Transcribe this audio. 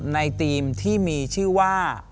ในทีมที่มีชื่อว่า